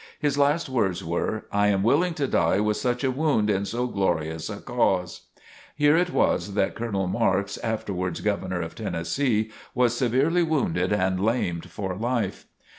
His last words were: "I am willing to die with such a wound in so glorious a cause!" Here it was that Colonel Marks, afterwards Governor of Tennessee, was severely wounded and lamed for life.